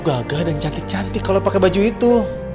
anak anak kalian itu gagah cantik cantik kalau pakai baju itu